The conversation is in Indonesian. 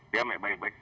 diam ya baik baik